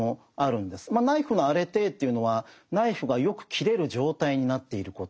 ナイフのアレテーというのはナイフがよく切れる状態になっていること。